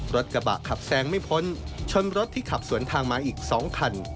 รถกระบะขับแซงไม่พ้นชนรถที่ขับสวนทางมาอีก๒คัน